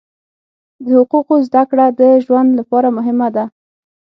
د حقوقو زده کړه د ژوند لپاره مهمه ده.